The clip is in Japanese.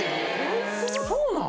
・そうなん？